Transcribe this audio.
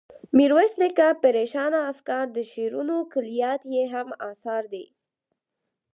میرویس نیکه، پریشانه افکار، د شعرونو کلیات یې هم اثار دي.